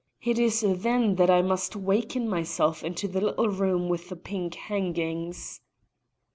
It is then that I must waken myself into the little room with the pink hangings."